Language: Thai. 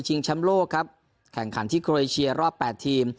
แชมป์โลกครับแข่งขันที่โครเอเชียรอบ๘ทีม